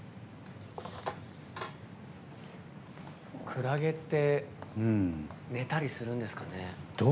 クラゲって寝たりするんですかね。